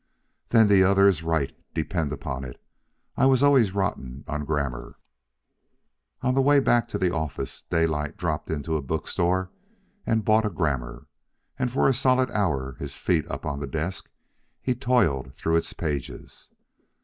"Then the other is right, depend upon it. I always was rotten on grammar." On the way back to the office, Daylight dropped into a bookstore and bought a grammar; and for a solid hour, his feet up on the desk, he toiled through its pages.